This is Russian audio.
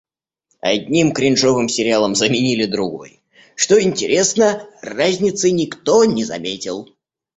Одним кринжовым сериалом заменили другой. Что интересно, разницы никто не заметил.